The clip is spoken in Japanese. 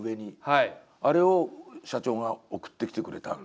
あれを社長が送ってきてくれたんだけど。